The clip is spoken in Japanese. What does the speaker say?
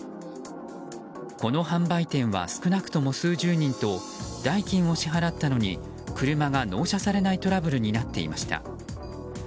この販売店は少なくとも数十人と代金を支払ったのに車が納車されないトラブルに遭っていました。